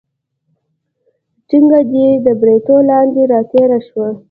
ټنګه دې تر بریتو لاندې راتېره شوه.